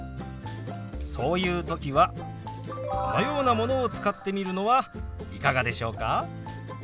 そういう時はこのようなものを使ってみるのはいかがでしょうか。